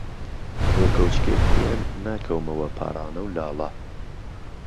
بۆ کهوچکێک خوێن ناکهومهوه پاڕانە و لاڵە